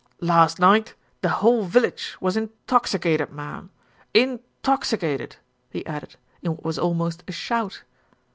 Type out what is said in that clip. "Last night the whole village was intoxicated, marm, intoxicated," he added, in what was almost a shout.